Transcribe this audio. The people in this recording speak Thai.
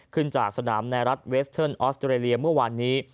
จากสนามในรัฐเวสเทิร์นออสเตรเลียเมื่อวานนี้